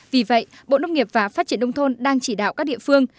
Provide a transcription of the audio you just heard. vì vậy bộ nông nghiệp và phát triển đông thôn đang chỉ đạo các địa phương